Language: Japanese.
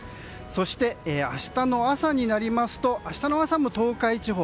そして、明日の朝になりますと東海地方